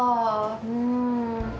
うん。